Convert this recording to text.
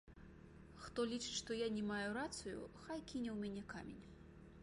Хто лічыць, што я не мае рацыю, хай кіне ў мяне камень.